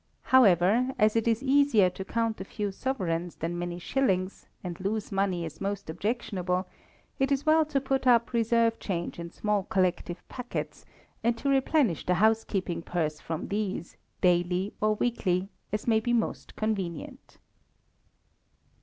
However, as it is easier to count a few sovereigns than many shillings, and loose money is most objectionable, it is well to put up reserve change in small collective packets, and to replenish the housekeeping purse from these daily or weekly, as may be most convenient.